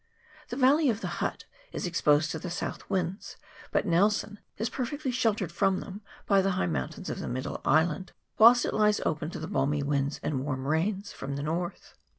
The Valley of the Hutt is exposed to the south winds, but Nelson is perfectly sheltered from them by the high mountains of the Middle Island, whilst it lies open to the balmy winds and warm rains from the north.